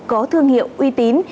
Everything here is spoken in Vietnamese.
có thương hiệu uy tín